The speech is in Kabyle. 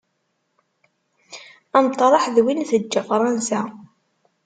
Ameṭreḥ d win teǧǧa Fransa.